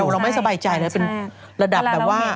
เราไม่สบายใจนะเป็นระดับแบบว่า